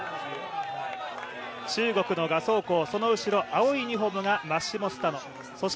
中国の賀相紅、その後ろ、青いユニフォームがマッシモ・スタノです。